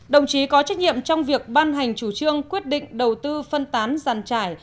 đồng chí có trách nhiệm trong việc ban hành chủ trương quyết định đầu tư phân tán giàn trải